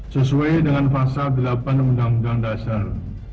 sesuai dengan pasal delapan undang undang dasar seribu sembilan ratus empat puluh lima